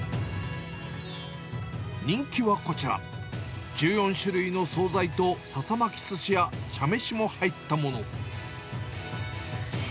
人気はこちら、１４種類の総菜と、笹巻すしや茶飯も入ったもの。